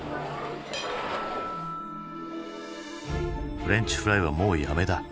「フレンチフライはもうやめだ。